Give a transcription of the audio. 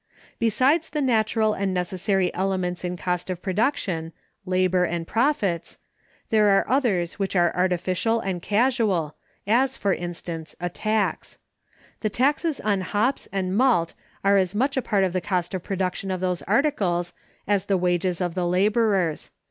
Besides the natural and necessary elements in cost of production—labor and profits—there are others which are artificial and casual, as, for instance, a tax. The taxes on hops and malt are as much a part of the cost of production of those articles as the wages of the laborers.